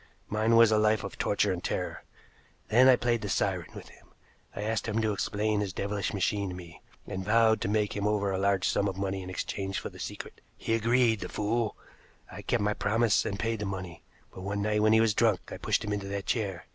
Mine was a life of torture and terror. Then I played the siren with him. I asked him to explain his devilish machine to me, and vowed to make over to him a large sum of money in exchange for the secret. He agreed the fool! I kept my promise and paid the money, but one night when he was drunk, I pushed him into that chair.